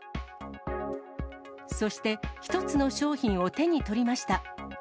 そして、１つの商品を手に取りました。